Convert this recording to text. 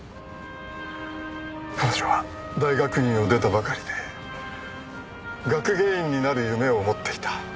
彼女は大学院を出たばかりで学芸員になる夢を持っていた。